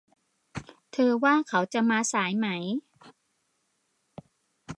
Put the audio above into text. เธอว่าเขาจะมาสายไหม